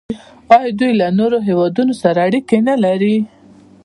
آیا دوی له نورو هیوادونو سره اړیکې نلري؟